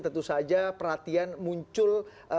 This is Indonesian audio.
tentu saja perhatian muncul